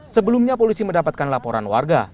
sebelumnya polisi mendapatkan laporan warga